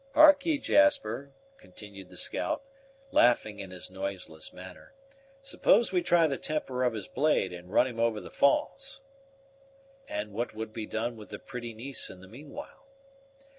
Hark'e, Jasper," continued the scout, laughing in his noiseless manner; "suppose we try the temper of his blade and run him over the falls?" "And what would be done with the pretty niece in the meanwhile?"